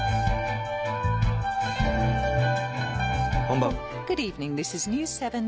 こんばんは。